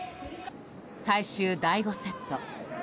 最終第５セット。